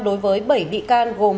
đối với bảy bị can gồm